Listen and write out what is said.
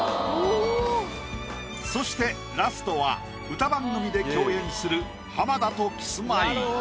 そしてラストは歌番組で共演する浜田とキスマイ。